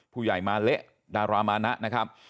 ผู้ใหญ่มาเละดารามานะนะครับ